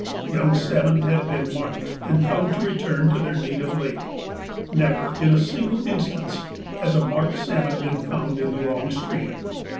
Young salmon have been marked, and found to return to their native lake. Never, in a single instance, has a marked salmon been found in the wrong stream.